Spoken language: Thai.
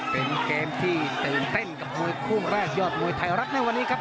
เป็นเกมที่ตื่นเต้นกับมวยคู่แรกยอดมวยไทยรัฐในวันนี้ครับ